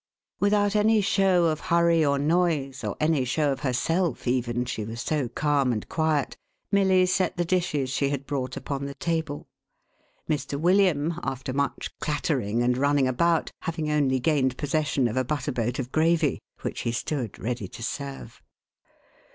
11 Without any show of hurry or noise, or any show of herself even, she was so calm and quiet, Millv set the dishes she had brought upon the table,— Mr. William, after much clatter ing and running about, having only gained possession of a butter boat of gravy, which he stood ready to serve.